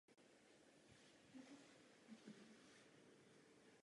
Směřuje pak k západu mírně zvlněnou a zemědělsky využívanou krajinou.